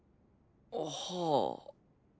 はあ。